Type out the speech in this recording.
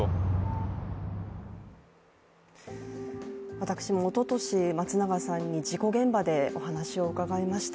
私もおととし、松永さんに事故現場でお話を伺いました。